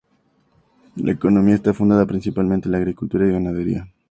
La economía está fundada, principalmente, en la agricultura y ganadería.